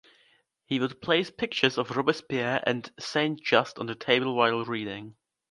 He would place pictures of Robespierre and Saint-Just on the table while reading.